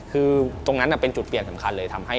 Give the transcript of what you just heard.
คือตรงนั้นเป็นจุดเปลี่ยนสำคัญเลยทำให้